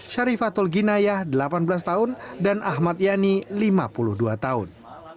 syarifatul ginayah delapan belas tahun dan ahmad yani lima puluh dua tahun